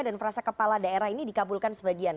dan frasa kepala daerah ini dikabulkan sebagian